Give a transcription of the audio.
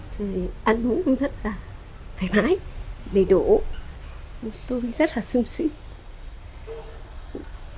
thì ăn uống cũng rất là thoải mái đầy đủ tôi rất là xinh xinh